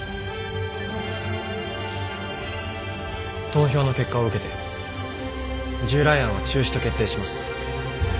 投票の結果を受けて従来案は中止と決定します。